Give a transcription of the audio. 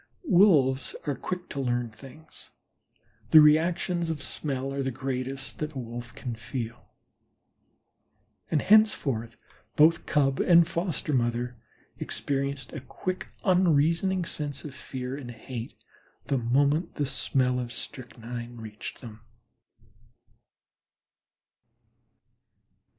Wolves are quick to learn certain things. The reactions of smell are the greatest that a Wolf can feel, and thenceforth both Cub and foster mother experienced a quick, unreasoning sense of fear and hate the moment the smell of strychnine reached them.